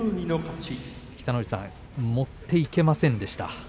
北の富士さん持っていけませんでした。